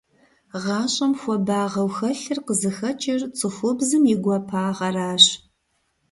ГъащӀэм хуабагъэу хэлъыр къызыхэкӀыр цӀыхубзым и гуапагъэращ.